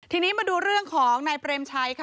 ทีนี้มาดูเรื่องของนายเปรมชัยค่ะ